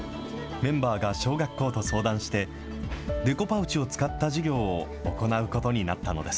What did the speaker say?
メンバーが小学校と相談して、デコパウチを使った授業を行うことになったのです。